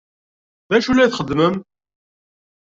D acu i la txeddmem?